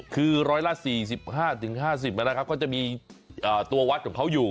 คือร้อยละ๔๕๕๐บาทก็จะมีตัววัดของเขาอยู่